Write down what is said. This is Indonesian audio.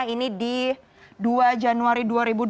ini di dua januari dua ribu dua puluh